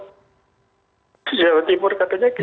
di jawa timur katanya gini